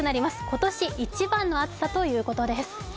今年一番の暑さということです。